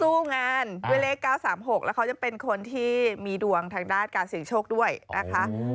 สู้งานด้วยเลข๙๓๖แล้วเขาจะเป็นคนที่มีดวงทางด้านการเสี่ยงโชคด้วยนะคะ